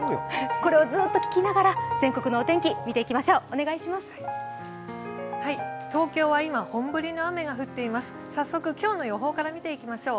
これをずっと聴きながら、全国のお天気いきましょう。